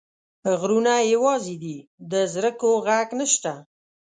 غرونه یوازي دي، د زرکو ږغ نشته